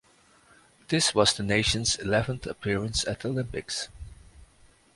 This was the nation's eleventh appearance at the Olympics.